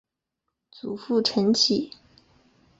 祖父陈启。